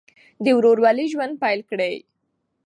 د ورورولۍ ژوند پیل کړئ.